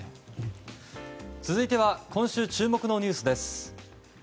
続いては今週注目のニュースです。